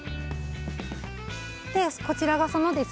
でこちらがそのですね。